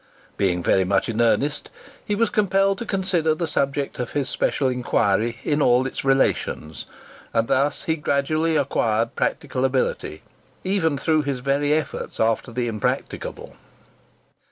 Being very much in earnest, he was compelled to consider the subject of his special inquiry in all its relations; and thus he gradually acquired practical ability even through his very efforts after the impracticable.